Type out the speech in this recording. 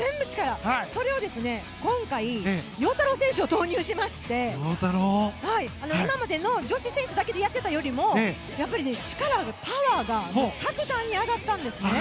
それを今回陽太郎選手を投入しまして今まで女子選手だけでやっていたよりも力、パワーが格段に上がったんですね。